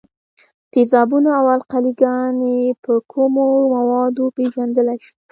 تیزابونه او القلي ګانې په کومو موادو پیژندلای شو؟